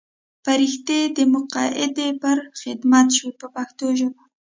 فرښتې دې مقیدې پر خدمت شوې په پښتو ژبه.